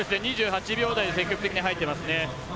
２８秒台で積極的に入っています。